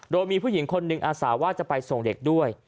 โดยมีผู้หญิงคนหนึ่งอาสาว่าจะไปส่งเด็กด้วย